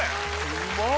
うまっ！